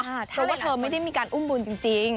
เพราะว่าเธอไม่ได้มีการอุ้มบุญจริง